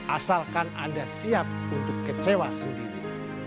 asalkan anda siap untuk kecewa sendiri